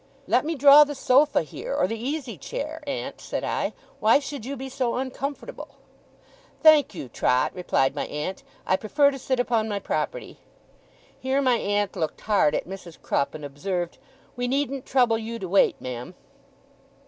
'Let me draw the sofa here, or the easy chair, aunt,' said I. 'Why should you be so uncomfortable?' 'Thank you, Trot,' replied my aunt, 'I prefer to sit upon my property.' Here my aunt looked hard at Mrs. Crupp, and observed, 'We needn't trouble you to wait, ma'am.